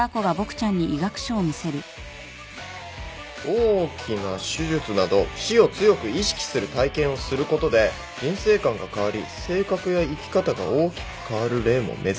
「大きな手術など死を強く意識する体験をすることで人生観が変わり性格や生き方が大きく変わる例も珍しくない」